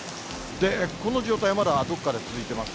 この状態、まだどこかで続いています。